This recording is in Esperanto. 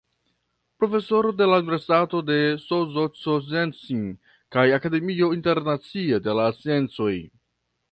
Profesoro de la Universitato de Szczecin kaj Akademio Internacia de la Sciencoj.